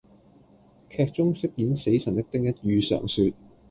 劇中飾演死神的丁一宇常說